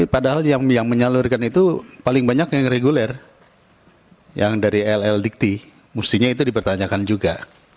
padahal yang menyalurkan itu paling banyak yang reguler yang dari ll dikti mestinya itu dipertanyakan juga